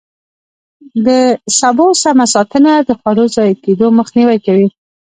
د سبو سمه ساتنه د خوړو ضایع کېدو مخنیوی کوي.